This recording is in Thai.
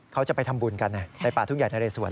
เขาจะไปทำบุญกันในป่าทุ่งใหญ่นะเรสวน